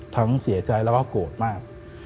เสียใจแล้วก็โกรธมาก